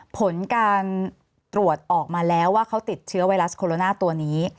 ผลการตรวจออกมาแล้วว่าเขาติดเชื้อไวรัสโคโรนาตัวนี้